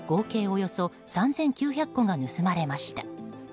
およそ３９００個が盗まれました。